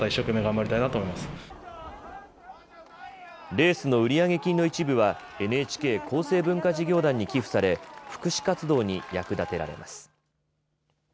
レースの売上金の一部はＮＨＫ厚生文化事業団に寄付され福祉活動に役立てられます。